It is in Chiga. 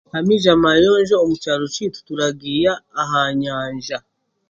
Amaizi amayonjo omukyaro kyeitu turagiha aha nyanja.